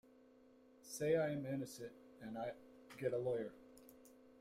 Say I am innocent and I get a lawyer.